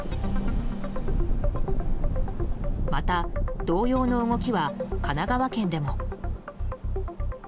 また、同様の動きは神奈川県でも。